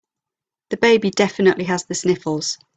The baby definitely has the sniffles.